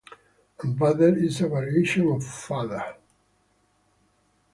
And Vader is a variation of father.